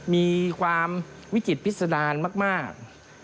มีความวิจิตพิษดารมาก